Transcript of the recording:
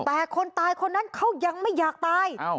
แต่คนตายคนนั้นเขายังไม่อยากตาย